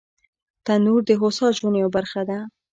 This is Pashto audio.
تنور د هوسا ژوند یوه برخه ده